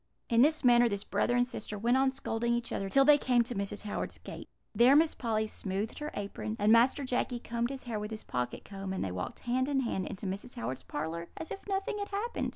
"In this manner this brother and sister went on scolding each other till they came to Mrs. Howard's gate. There Miss Polly smoothed her apron, and Master Jacky combed his hair with his pocket comb, and they walked hand in hand into Mrs. Howard's parlour as if nothing had happened.